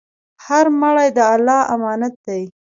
هر مړی د الله امانت دی.